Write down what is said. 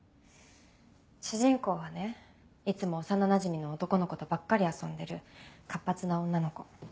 主人公はねいつも幼なじみの男の子とばっかり遊んでる活発な女の子。